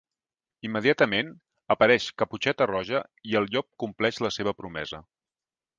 Immediatament, apareix Caputxeta Roja i el Llop compleix la seva promesa.